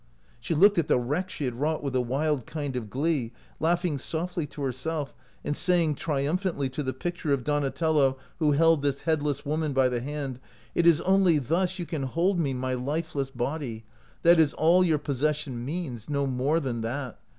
She looked at the wreck she had wrought with a wild kind of glee, laughing softly to herself, and sayin? triumphantly to the picture of Donate!? OUT OF BOHEMIA who held this headless woman by the hand: " It is only thus you can hold me, my life less body ; that is all your possession means, no more than that.